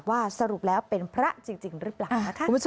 ว่าสรุปแล้วเป็นพระจริงหรือเปล่านะคะ